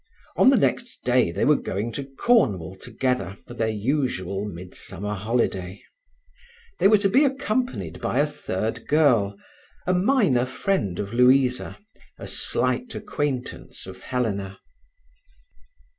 On the next day they were going to Cornwall together for their usual midsummer holiday. They were to be accompanied by a third girl—a minor friend of Louisa, a slight acquaintance of Helena.